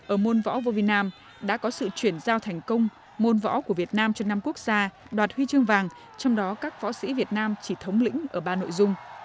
ở môn võ việt nam đã có sự chuyển giao thành công môn võ của việt nam cho năm quốc gia đoạt huy chương vàng trong đó các võ sĩ việt nam chỉ thống lĩnh ở ba nội dung